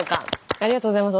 ありがとうございます。